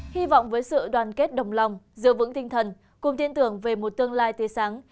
hy vọng với sự đoàn kết đồng lòng giữ vững tinh thần cùng tin tưởng về một tương lai tươi sáng